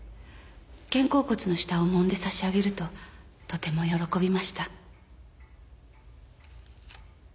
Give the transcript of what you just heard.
肩甲骨の下をもんでさしあげるととても喜びました。